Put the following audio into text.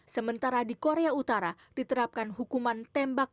sementara di korea utara diterapkan hukuman tembak